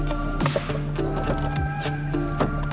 pasti sekarang lo lagi sedih kan